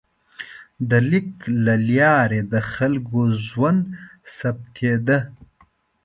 د لیک له لارې د خلکو ژوند ثبتېده.